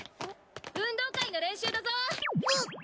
運動会の練習だぞ！